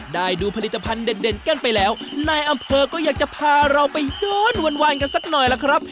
ดูผลิตภัณฑ์เด่นกันไปแล้วนายอำเภอก็อยากจะพาเราไปย้อนหวานกันสักหน่อยล่ะครับ